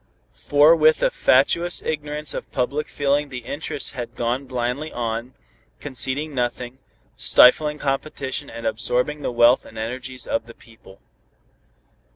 For with a fatuous ignorance of public feeling the interests had gone blindly on, conceding nothing, stifling competition and absorbing the wealth and energies of the people.